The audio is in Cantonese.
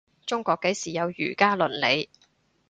中國幾時有儒家倫理